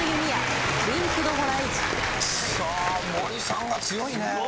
さあ森さんが強いね。